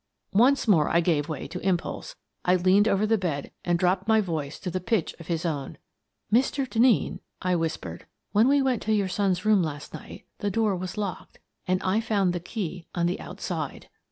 " Once more I gave way to impulse. I leaned over the bed and dropped my voice to the pitch of his own. " Mr. Denneen," I whispered, " when we went to your son's room last night the door was locked — and I found the key on the outside!"